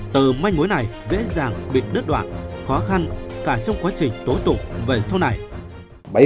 từ manh mối này dễ dàng bị đứt đoạn khó khăn cả trong quá trình tố tụng về sau này